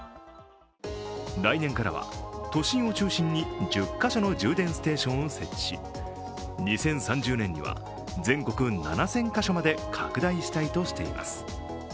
来年からは都心を中心に１０か所の充電ステーションを設置し２０３０年には全国７０００か所まで拡大したいとしています。